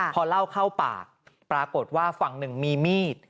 พอเล่าเข้าปากปรากฏว่าฝั่งหนึ่งมีมีด